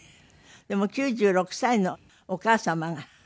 でも９６歳のお母様が大好き？